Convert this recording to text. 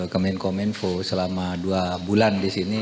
kemin kominfo selama dua bulan disini